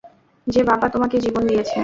যে বাবা তোমাকে জীবন দিয়েছে।